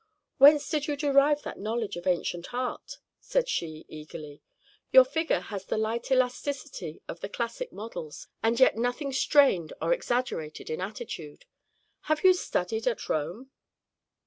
"Whence did you derive that knowledge of ancient art?" said she, eagerly. "Your figure has the light elasticity of the classic models, and yet nothing strained or exaggerated in attitude. Have you studied at Rome?"